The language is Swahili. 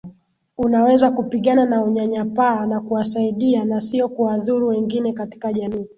Unaweza kupigana na unyanyapaa na kuwasaidia na siyo kuwadhuru wengine katika jamii